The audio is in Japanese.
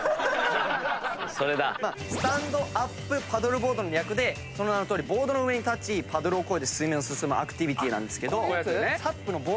スタンドアップパドルボードの略でその名のとおりボードの上に立ちパドルをこいで水面を進むアクティビティーなんですけど。